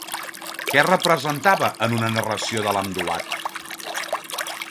Què representava en una narració de l'Amduat?